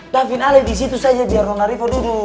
davin alih disitu saja biar orang arifah duduk